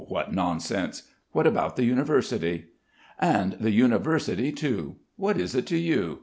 "What nonsense! What about the University?" "And the University, too. What is it to you?